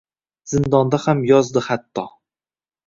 Zindonda ham yozdi hatto.